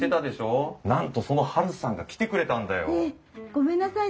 ごめんなさい